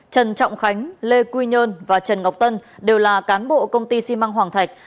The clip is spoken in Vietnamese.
trần trọng khánh lê quy nhơn và trần ngọc tân đều là cán bộ công ty xi măng hoàng thạch